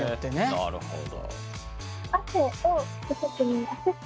なるほど。